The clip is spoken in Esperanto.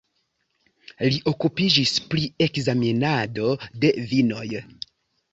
Li okupiĝis pri ekzamenado de vinoj.